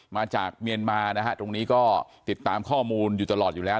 มาจากเมียนมานะฮะตรงนี้ก็ติดตามข้อมูลอยู่ตลอดอยู่แล้ว